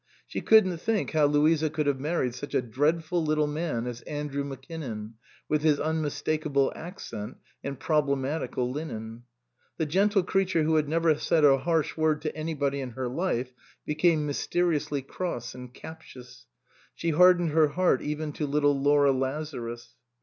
She couldn't think how Louisa 281 SUPEKSEDED could have married such a dreadful little man as Andrew Mackinnon, with his unmistakable accent and problematical linen. The gentle creature who had never said a harsh word to anybody in her life became mysteriously cross and captious. She hardened her heart even to little Laura Lazarus.